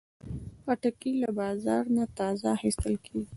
خټکی له بازار نه تازه اخیستل کېږي.